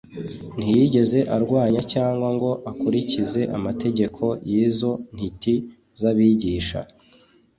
Ntiyigeze arwanya cyangwa ngo akurikize amategeko y’izo ntiti z’abigisha;